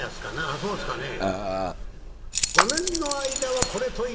「そうですかねぇ？」。